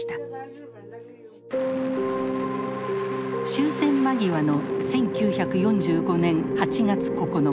終戦間際の１９４５年８月９日。